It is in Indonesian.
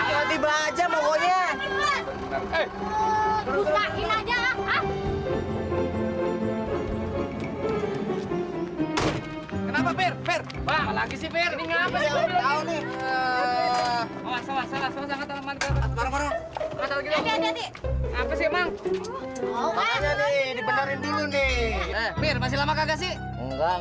fir masih lama kagak sih